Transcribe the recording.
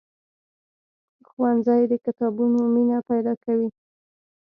ښوونځی د کتابونو مینه پیدا کوي.